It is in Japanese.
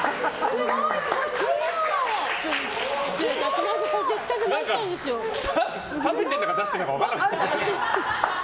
すごい！何か食べてるのか出してるのか分からない。